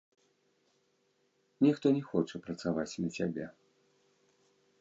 Ніхто не хоча працаваць на цябе.